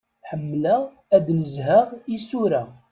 Ḥemmleɣ ad nezheɣ isura.